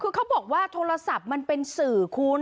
คือเขาบอกว่าโทรศัพท์มันเป็นสื่อคุณ